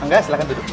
angga silahkan duduk